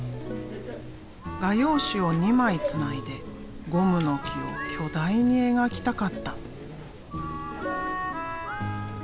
画用紙を２枚つないでゴムの木を巨大に描きたかった。